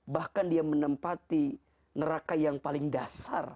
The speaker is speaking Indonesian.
bahkan dia menempati neraka yang paling dasar